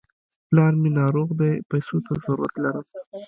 پلار مې ناروغ دی، پيسو ته ضرورت لرم.